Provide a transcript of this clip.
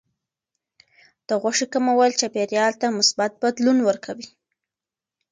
د غوښې کمول چاپیریال ته مثبت بدلون ورکوي.